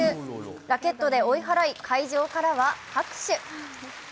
ラケットで追い払い、会場からは拍手。